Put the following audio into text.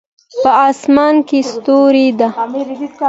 په اسمان کې ستوری ده